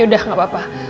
yaudah gak apa apa